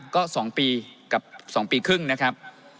ก็๒ปีกับ๒ปีครึ่งนะครับ